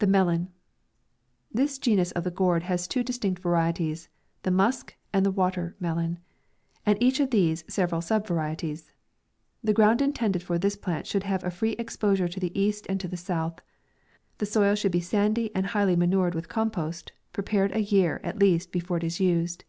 THE MELON. This genus of the gourd has two distinct varieties, the musk and water melon ; and <3ach of these several sub varieties. The ground intended for this plant should have a free exposure to the east and to the south. The soil should be sandy, and highly manu red wtih compost, prepared a year, at least, before it is used.